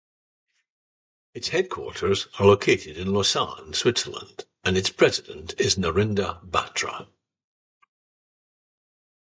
Its headquarters are located in Lausanne, Switzerland and president is Narinder Batra.